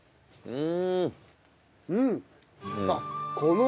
うん。